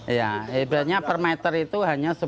iya ibranya per meter itu hanya rp sepuluh